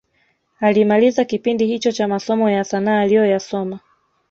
Alimaliza kipindi hicho cha masomo ya sanaa aliyoyasoma